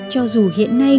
cho dù hiện nay